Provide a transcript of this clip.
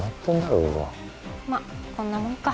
ここまっこんなもんか